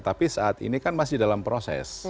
tapi saat ini kan masih dalam proses